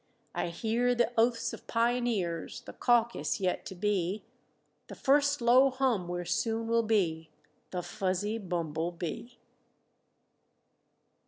I hear the oaths of pioneers, The caucus yet to be, The first low hum where soon will The fuzzy bumble bee.